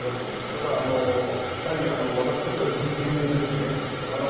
ただ、私としては人流ですよね。